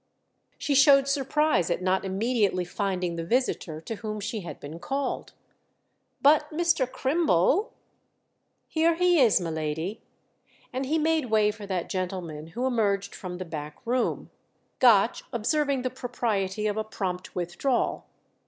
She showed surprise at not immediately finding the visitor to whom she had been called. "But Mr. Crimble———?" "Here he is, my lady." And he made way for that gentleman, who emerged from the back room; Gotch observing the propriety of a prompt withdrawal.